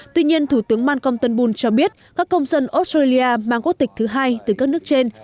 tuy nhiên thủ tướng malcolm turnbull cho biết các công dân australia mang quốc tịch thứ hai từ các nước trên